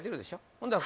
ほんだら